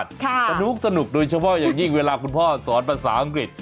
สนุกโดยเฉพาะอย่างยิ่งเวลาคุณพ่อสอนภาษาอังกฤษ